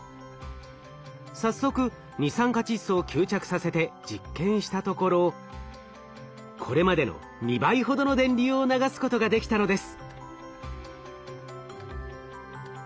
早速二酸化窒素を吸着させて実験したところこれまでの２倍ほどの電流を流すことができたのです。